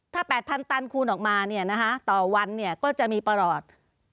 ถ้า๘๐๐๐ตันคูณออกมาเนี่ยนะคะต่อวันก็จะมีปลอด